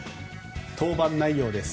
登板内容です。